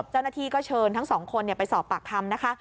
เจ้าหน้าที่ก็เชิญทั้งสองคนไปสอบปากคำนะคะ